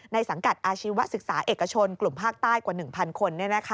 สังกัดอาชีวศึกษาเอกชนกลุ่มภาคใต้กว่า๑๐๐คน